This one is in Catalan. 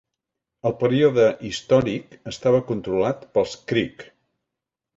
Al període històric, estava controlat pels creek.